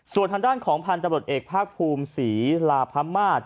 ส่วนด้านของพันธุ์บริหญิงภาคภูมิศรีราพมาศ